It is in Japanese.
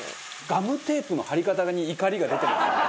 ガムテープの貼り方に怒りが出てますよね。